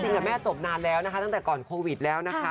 แม่จบนานแล้วนะคะตั้งแต่ก่อนโควิดแล้วนะคะ